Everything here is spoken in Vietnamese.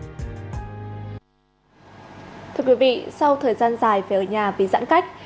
thưa quý vị sau thời gian dài phải ở nhà vì giãn cách